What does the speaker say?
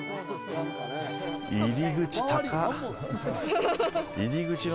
入り口、高っ！